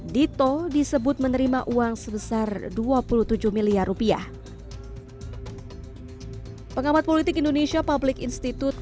dito disebut menerima uang sebesar dua puluh tujuh miliar rupiah pengamat politik indonesia public institute